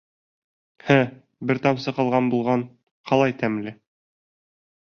— Һе, бер тамсы ҡалған булған, ҡалай тәмле.